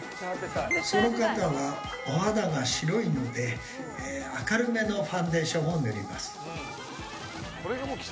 その方は、お肌が白いので明るめのファンデーションを塗ります。